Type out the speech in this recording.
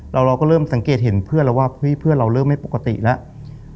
เราก็เริ่มสังเกตเห็นเพื่อนแล้วว่าเฮ้ยเพื่อนเราเริ่มไม่ปกติแล้ว